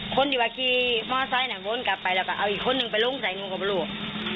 คนที่วันที่มอเซ็ตน่ะโว้นกลับไปแล้วก็เอาอีกคนนึงไปลงใส่นูกกับลูก